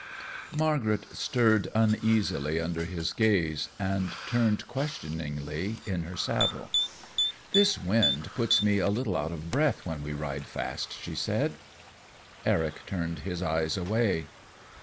Margaret stirred uneasily under his gaze and turned questioningly in her saddle. "This wind puts me a little out of breath when we ride fast," she said. Eric turned his eyes away.